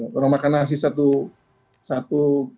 kalau makan nasi satu